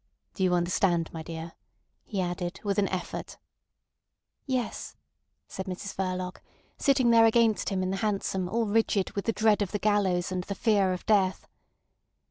Do you understand, my dear?" he added, with an effort. "Yes," said Mrs Verloc, sitting there against him in the hansom all rigid with the dread of the gallows and the fear of death.